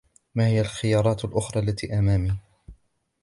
ما الخيارات الأخرى التي أمامي؟